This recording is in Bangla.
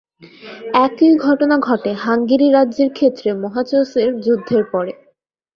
একই ঘটনা ঘটে হাঙ্গেরি রাজ্যের ক্ষেত্রে মোহাচস্ এর যুদ্ধের পরে।